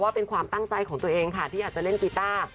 เป็นความตั้งใจของตัวเองค่ะที่อยากจะเล่นกีต้า